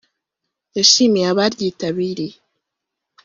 yashimiye abaryitabiriye